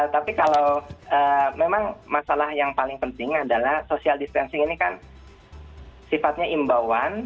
tapi kalau memang masalah yang paling penting adalah social distancing ini kan sifatnya imbauan